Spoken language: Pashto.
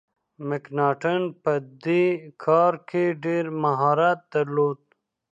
مکناټن په دې کار کي ډیر مهارت درلود.